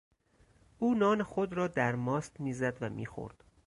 او نان خود را در ماست میزد و میخورد.